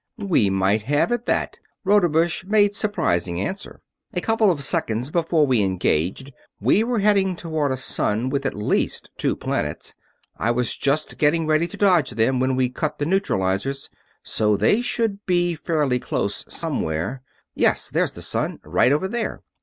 "We might have, at that," Rodebush made surprising answer. "A couple of seconds before we engaged we were heading toward a sun with at least two planets. I was just getting ready to dodge them when we cut the neutralizers, so they should be fairly close somewhere yes, there's the sun, right over there.